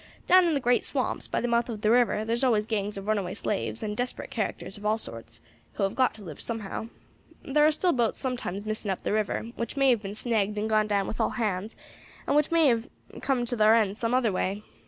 Down in the great swamps, by the mouth of the river, thar's always gangs of runaway slaves, and desperate characters of all sorts, who have got to live somehow. Thar are still boats sometimes missing up the river, which may have been snagged and gone down with all hands, and which may be have comed to thar end some other way.